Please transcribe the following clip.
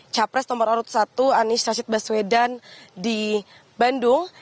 capres nomor satu anissa sibaswedan di bandung